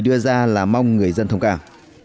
đưa ra là mong người dân thông cảm